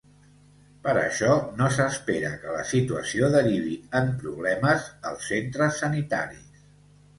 Per això, no s’espera que la situació derivi en problemes als centres sanitaris.